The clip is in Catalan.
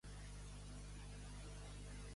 A les primeries.